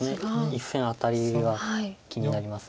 １線アタリが気になります。